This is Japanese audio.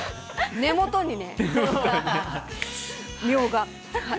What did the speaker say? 根元にね。